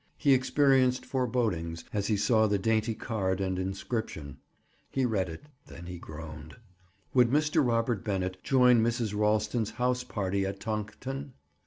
He experienced forebodings as he saw the dainty card and inscription. He read it. Then he groaned. Would Mr. Robert Bennett join Mrs. Ralston's house party at Tonkton?